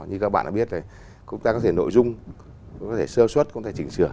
như các bạn đã biết là công tác có thể nội dung có thể sơ xuất có thể chỉnh sửa